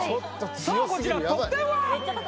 さあこちら得点は？